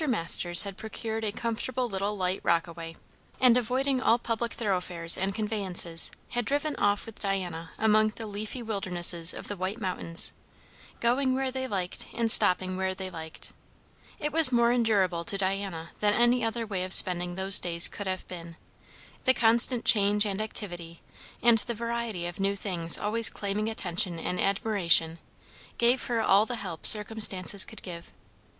Masters had procured a comfortable little light rockaway, and avoiding all public thoroughfares and conveyances, had driven off with Diana among the leafy wildernesses of the White Mountains; going where they liked and stopping where they liked. It was more endurable to Diana than any other way of spending those days could have been; the constant change and activity, and the variety of new things always claiming attention and admiration, gave her all the help circumstances could give.